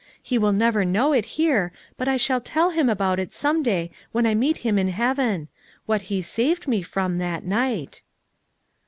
he will never know it here, but I shall tell him about it some day when I meet him in heaven — what he saved me from, that night."